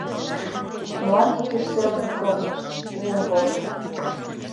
Мланде кӱр семын кылмыш, лум возо.